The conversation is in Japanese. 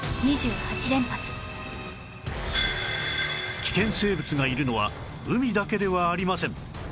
危険生物がいるのは海だけではありません